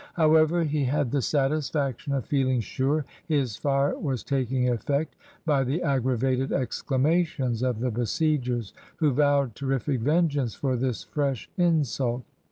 However, he had the satisfaction of feeling sure his fire was taking effect, by the aggravated exclamations of the besiegers, who vowed terrific vengeance for this fresh insult.